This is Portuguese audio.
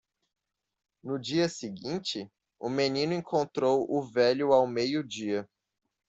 No dia seguinte? o menino encontrou o velho ao meio-dia.